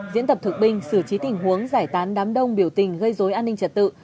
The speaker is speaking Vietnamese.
diễn tập thực binh xử trí tình huống giải tán đám đông biểu tình gây dối an ninh trật tự